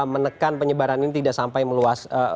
menekan penyebaran ini tidak sampai meluas